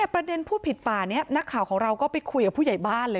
ประเด็นพูดผิดป่านี้นักข่าวของเราก็ไปคุยกับผู้ใหญ่บ้านเลย